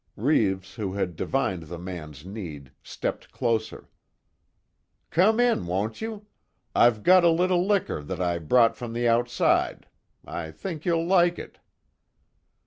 Reeves, who had divined the man's need, stepped closer, "Come in, won't you. I've got a little liquor that I brought from the outside. I think you'll like it."